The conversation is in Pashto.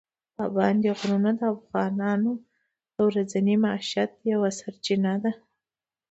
پابندي غرونه د افغانانو د ورځني معیشت یوه سرچینه ده.